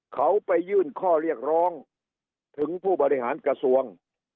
เขาไปยื่นข้อเรียกร้องถึงผู้บริหารกระทรวง